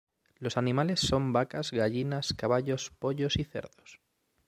Los animales son las vacas, gallinas, caballos, pollos y cerdos.